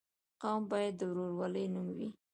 قوم باید د ورورولۍ نوم وي.